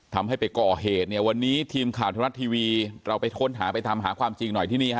ทำให้ไปก่อเหตุเนี่ยวันนี้ทีมข่าวธรรมรัฐทีวีเราไปค้นหาไปทำหาความจริงหน่อยที่นี่ฮะ